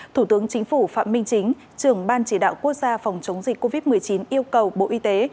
thủ tướng chính phủ phạm minh chính trưởng ban chỉ đạo quốc gia phòng chống dịch covid một mươi chín yêu cầu bộ y tế